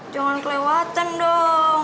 jangan kelewatan dong